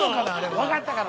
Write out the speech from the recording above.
◆分かったから。